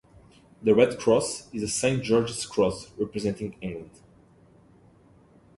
The red cross is the Saint George's Cross representing England.